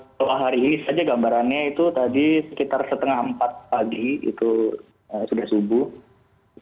setelah hari ini saja gambarannya itu tadi sekitar setengah empat pagi itu sudah subuh